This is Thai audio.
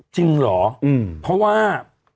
จริงเหรอเพราะว่า